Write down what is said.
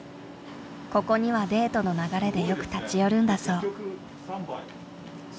ここにはデートの流れでよく立ち寄るんだそう。